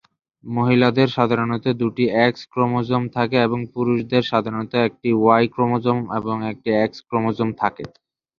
মহিলাদের সাধারণত দুটি এক্স ক্রোমোজোম থাকে এবং পুরুষদের সাধারণত একটি ওয়াই ক্রোমোজোম এবং একটি এক্স ক্রোমোজোম থাকে।